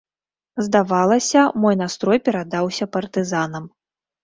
Здавалася, мой настрой перадаўся партызанам.